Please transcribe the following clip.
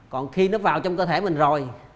còn khi nó vào trong cơ thể mình rồi